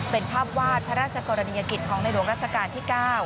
เป็นภาพวาดพระราชกรณียกิจของในหลวงรัชกาลที่๙